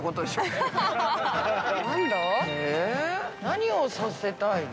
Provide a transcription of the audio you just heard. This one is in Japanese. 何をさせたいの？